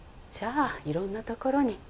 じゃあいろんなところに。